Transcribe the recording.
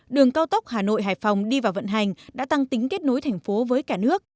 đường cao tốc hà nội hải phòng đi vào vận hành đã tăng tính kết nối thành phố với cả nước